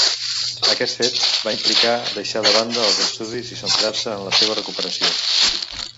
Aquest fet va implicar deixar de banda els estudis i centrar-se en la seva recuperació.